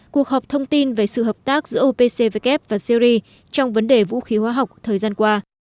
cuộc họp thông tin về sự hợp tác giữa opcvk và syri trong vấn đề vũ khí hóa học thời gian qua